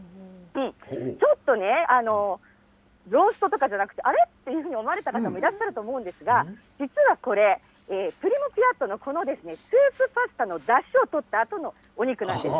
ちょっとね、ローストとかじゃなくて、あれ？っていうふうに思われた方もいらっしゃると思うんですが、実はこれ、、そのスープパスタのだしを取ったあとのお肉なんです。